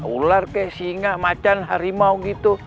ular kayak singa macan harimau gitu